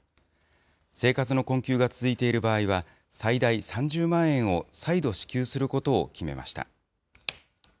生活の困窮が続いている場合は、最大３０万円を再度支給することを決めました。